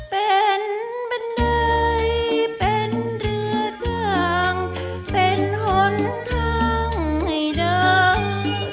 เป็นบันไดเป็นเรือจ้างเป็นหนทางให้ดัง